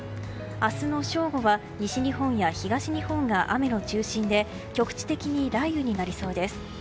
明日の正午は西日本や東日本が雨の中心で局地的に雷雨になりそうです。